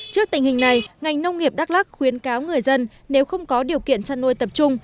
trước tình hình này ngành nông nghiệp đắk lắc khuyến cáo người dân nếu không có điều kiện chăn nuôi tập trung